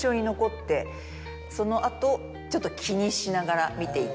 その後ちょっと気にしながら見ていたんですね。